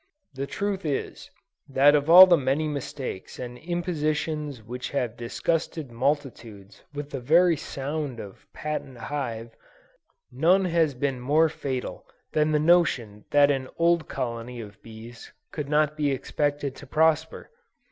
The truth is, that of all the many mistakes and impositions which have disgusted multitudes with the very sound of "patent hive," none has been more fatal than the notion that an old colony of bees could not be expected to prosper.